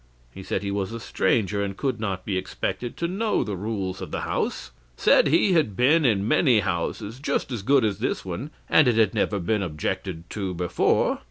He said he was a stranger, and could not be expected to know the rules of the house: said he had been in many houses just as good as this one, and it had never been objected to before.